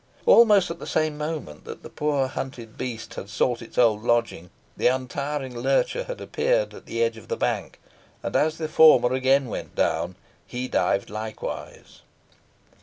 Almost at the same moment that the poor hunted beast had sought its old lodging, the untiring lurcher had appeared at the edge of the bank, and, as the former again went down, he dived likewise.